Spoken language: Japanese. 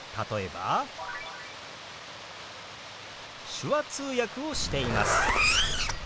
「手話通訳をしています」。